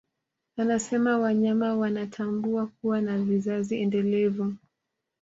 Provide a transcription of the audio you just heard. Anasema wanyama wanatambua kuwa na vizazi endelevu